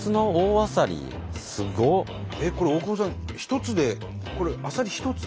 これ大久保さん一つでこれあさり一つ？